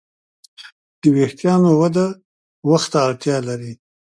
د وېښتیانو وده وخت ته اړتیا لري.